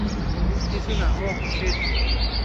কিছুনা oh, sheet.